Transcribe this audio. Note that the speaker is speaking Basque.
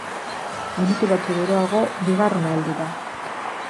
Minutu batzuk geroago bigarrena heldu da.